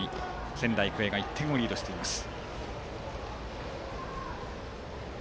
仙台育英が１点をリードしています。